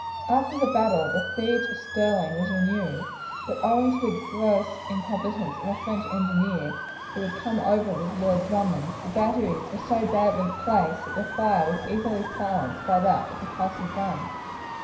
After the battle the siege of Stirling was renewed; but owing to the gross incompetence of a French engineer, who had come over with Lord Drummond, the batteries were so badly placed that their fire was easily silenced by that of the castle guns.